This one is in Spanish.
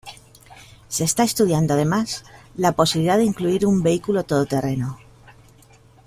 Se está estudiando, además, la posibilidad de incluir un vehículo todoterreno.